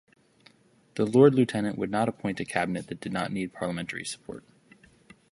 The Lord Lieutenant would appoint a cabinet that did not need parliamentary support.